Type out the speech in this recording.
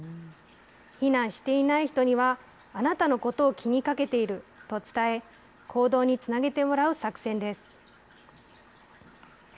避難していない人には、あなたのことを気にかけていると伝え、行動につなげてもらう作戦です。